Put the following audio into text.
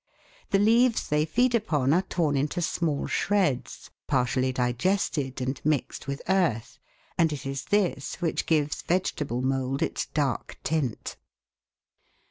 The leaves they feed upon are torn into small shreds, partially digested and mixed with earth, and it is this which gives vegetable mould its dark tint.